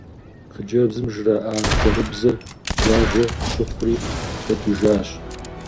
Хъыджэбзым жраӏа хъэурыбзэр гуажэ щыхъури щӏэкӏыжащ.